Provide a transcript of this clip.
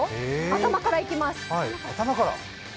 頭からいきます。